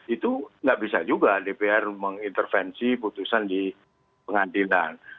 itu nggak bisa juga dpr mengintervensi putusan di pengadilan